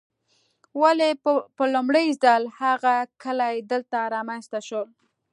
ولې په لومړي ځل هغه کلي دلته رامنځته شول.